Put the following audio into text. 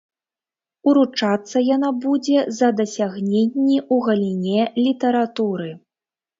Уручацца яна будзе за дасягненні ў галіне літаратуры.